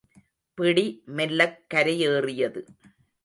பிடி மெல்லக் கரையேறியது.